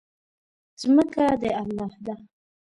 ځمکه د الله ده.